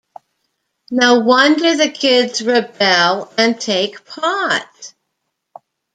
No wonder the kids rebel and take pot.